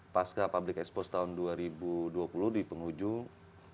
pasca public expose tahun dua ribu dua puluh di penghujung